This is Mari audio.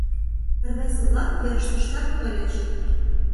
Рвезе-влак верыштыштак ыльыч.